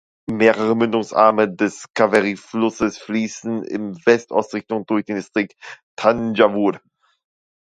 Mehrere Mündungsarme des Kaveri-Flusses fließen im West-Ost-Richtung durch den Distrikt Thanjavur.